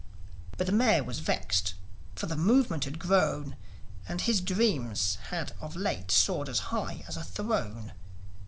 But the Mayor was vexed; for the Movement had grown, And his dreams had of late soared as high as a throne.